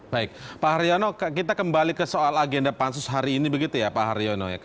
baik pak haryono kita kembali ke soal agenda pansus hari ini begitu ya pak haryono